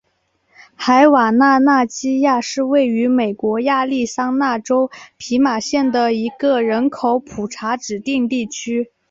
海瓦纳纳基亚是位于美国亚利桑那州皮马县的一个人口普查指定地区。